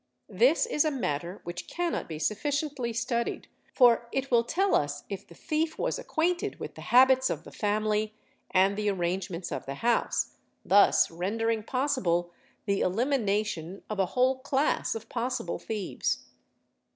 This is a matter which cannot be — sufficiently studied for it will tell us if the thief was acquainted with — the habits of the family and the arrangements of the house, thus rendering — possible the elimination of a whole class of possible thieves.